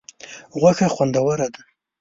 غوښه خوندوره ده.